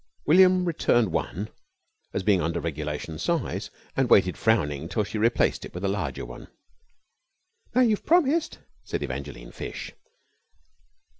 William returned one as being under regulation size, and waited frowning till she replaced it by a larger one. "Now, you've promised," said Evangeline Fish.